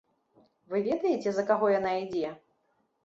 Вы ведаеце, за каго яна ідзе?